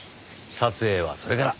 撮影はそれから。